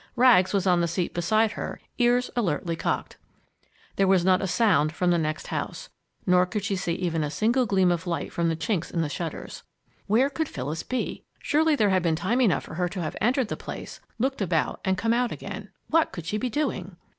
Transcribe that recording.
Rags was on the seat beside her, ears alertly cocked. There was not a sound from the next house, nor could she even see a single gleam of light from the chinks in the shutters. Where could Phyllis be? Surely there had been time enough for her to have entered the place, looked about, and come out again. What could she be doing?